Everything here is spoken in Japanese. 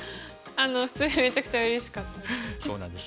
普通にめちゃくちゃうれしかったです。